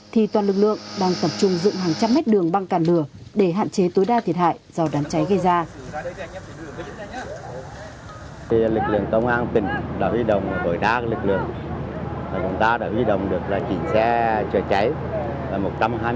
thì toàn lực lượng đang tập trung dựng hàng trăm mét đường băng cản lửa để hạn chế tối đa thiệt hại do đám cháy gây ra